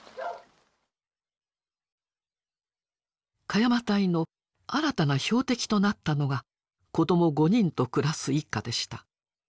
鹿山隊の新たな標的となったのが子ども５人と暮らす一家でした。